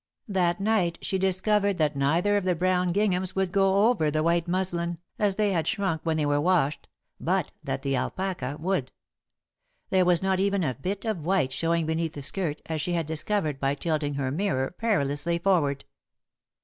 That night she discovered that neither of the brown ginghams would go over the white muslin, as they had shrunk when they were washed, but that the alpaca would. There was not even a bit of white showing beneath the skirt, as she had discovered by tilting her mirror perilously forward.